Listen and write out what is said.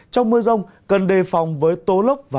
trong mưa rông cần đề phòng với tố lốc